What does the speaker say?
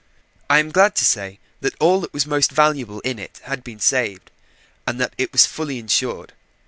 I am glad to say that all that was most valuable in it had been saved, and that it was fully insured.